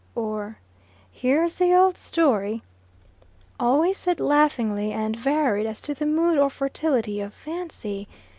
or "Here's the old story" Always said laughingly, and varied as to the mood or fertility of fancy.